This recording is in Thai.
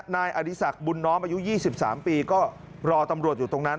นายอดีศักดิ์บุญน้อมอายุ๒๓ปีก็รอตำรวจอยู่ตรงนั้น